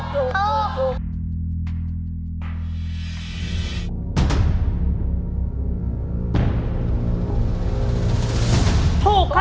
ยินดี